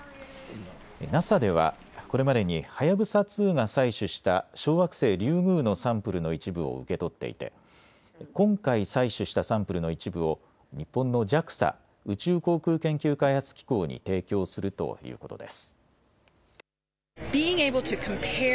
ＮＡＳＡではこれまでにはやぶさ２が採取した小惑星リュウグウのサンプルの一部を受け取っていて今回採取しサンプルの一部を日本のＪＡＸＡ・宇宙航空研究開発機構に提供するということです。